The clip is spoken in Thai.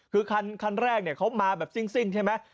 คือคันแรกเนี่ยเขามาแบบซิ่งใช่ไหม